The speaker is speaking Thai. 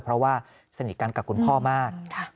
เพราะว่าสนิทกันกับคุณพ่อมาก